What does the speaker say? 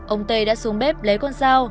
ông t đã xuống bếp lấy con dao